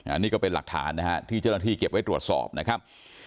อันนี้ก็เป็นหลักฐานนะฮะที่เจ้าหน้าที่เก็บไว้ตรวจสอบนะครับ